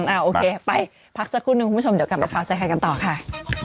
โอเคไปพักสักครู่นึงคุณผู้ชมเดี๋ยวกลับมาข่าวใส่ไข่กันต่อค่ะ